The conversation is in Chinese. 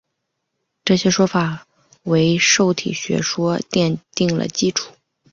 这些说法为受体学说奠定了基础。